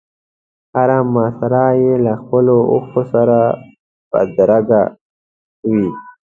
هره مسره یې له خپلو اوښکو سره بدرګه وي.